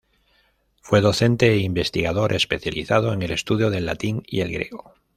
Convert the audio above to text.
Fue docente e investigador, especializado en el estudio del latín y el griego.